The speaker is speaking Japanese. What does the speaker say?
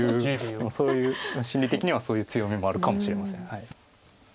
そういう心理的にはそういう強みもあるかもしれません。